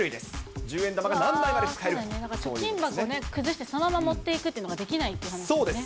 十円玉が何枚ま貯金箱をね、崩してそのまま持っていくっていうのができないって話ですよね。